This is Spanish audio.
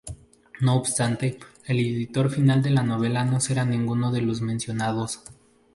No obstante, el editor final de la novela no será ninguno de los mencionados.